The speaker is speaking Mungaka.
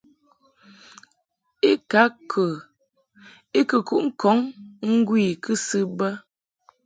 I kɨ kuʼ ŋkɔŋ ŋgwi I kɨsɨ bə.